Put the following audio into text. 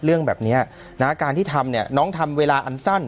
เรื่องแบบนี้นะการที่ทำเนี่ยน้องทำเวลาอันสั้น